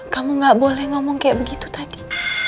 kamu gak boleh ngomong kayak begitu tadi